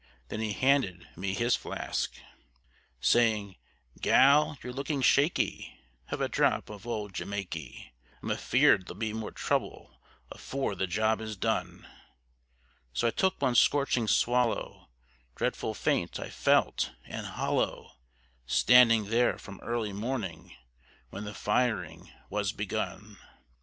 then he handed me his flask, Saying, "Gal, you're looking shaky; have a drop of old Jamaiky; I'm afeard there'll be more trouble afore the job is done;" So I took one scorching swallow; dreadful faint I felt and hollow, Standing there from early morning when the firing was begun.